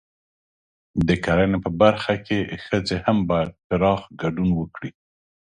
د کرنې په برخه کې ښځې هم باید پراخ ګډون وکړي.